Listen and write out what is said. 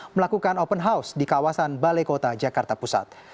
melakukan open house di kawasan balai kota jakarta pusat